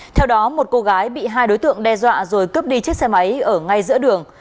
theo đó một cô gái bị hai đối tượng đe dọa rồi cướp đi chiếc xe máy ở ngay giữa đường